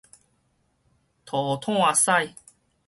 塗炭屎